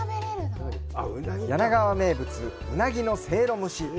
柳川名物、うなぎのせいろ蒸し。